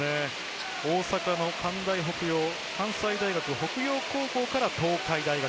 大阪の関西大学北陽高校から東海大学。